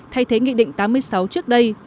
thay thế nghị định tám mươi sáu trước đây